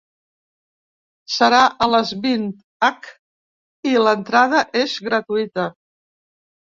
Serà a les vint h i l’entrada és gratuïta.